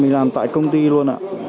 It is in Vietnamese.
mình làm tại công ty luôn ạ